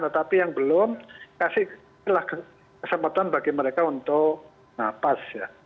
tetapi yang belum kasih kesempatan bagi mereka untuk nafas